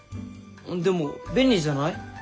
でも便利じゃない？